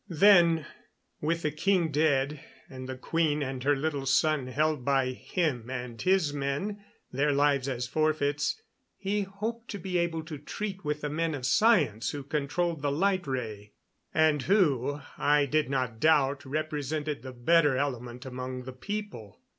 Then, with the king dead and the queen and her little son held by him and his men their lives as forfeits he hoped to be able to treat with the men of science who controlled the light ray, and who, I did not doubt, represented the better element among the people.